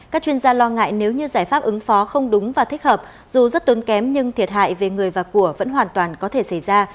các chuyên gia lo ngại nếu như giải pháp ứng phó không đúng và thích hợp dù rất tốn kém nhưng thiệt hại về người và của vẫn hoàn toàn có thể xảy ra